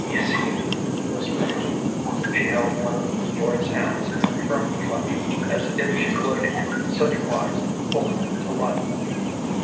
"Is he " whispered Ellen. She held one of Lloyd's hands in a firm clutch as if she would in such wise hold him to life.